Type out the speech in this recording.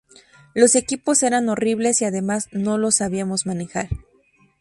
Los equipos eran horribles y además no los sabíamos manejar.